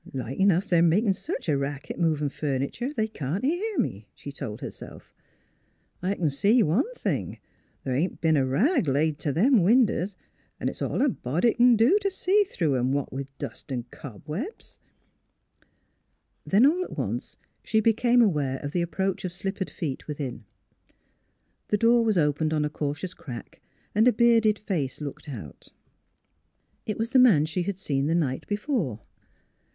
" Like enough they're makin' sech a racket movin' furnitur' they can't hear," she told herself. " I c'n see one thing: th' ain't b'en a rag laid t' them winders, 'n' it's all a body c'n do t' see through 'em, what with dust 'n' cobwebs." Then all at once she became aware of the approach of slippered feet within. The door was opened on a cautious crack and a bearded face looked out. It was the man she had seen the night before.